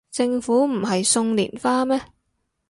政府唔係送連花咩